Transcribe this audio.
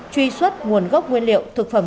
truy xuất nguồn gốc nguyên liệu thực phẩm